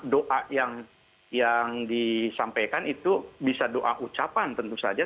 doa yang disampaikan itu bisa doa ucapan tentu saja